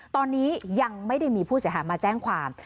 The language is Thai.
ตอนนี้ยังไม่ได้มีผู้เสียหายมาแจ้งความ